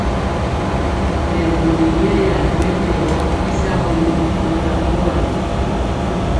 Nɛ mori yɛya ri mɛtɛgɔ y sagɔ lɛmi kora boa.